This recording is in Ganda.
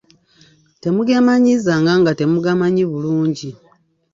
Temugeemanyiizanga nga temugamanyi bulungi.